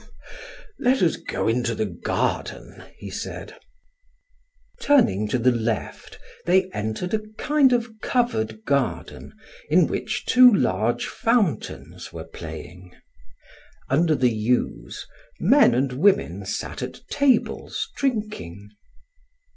"Let us go into the garden," he said. Turning to the left, they entered a kind of covered garden in which two large fountains were playing. Under the yews, men and women sat at tables drinking.